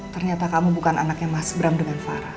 ternyata kamu bukan anak yang mahasberam dengan farah